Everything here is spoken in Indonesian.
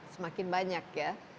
semakin banyak ya